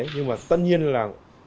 nhưng mà tất nhiên là